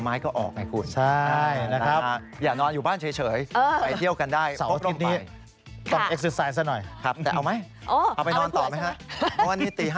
ไม่นอนแล้วไม่นอนตื่นติดตามเขาสานแล้ว